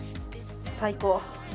最高！